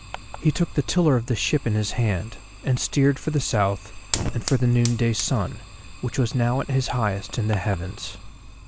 He took the tiller of the ship in his hand, and steered for the South and for the noonday sun, which was now at his highest in the heavens.